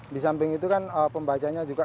di samping itu kan pembacanya juga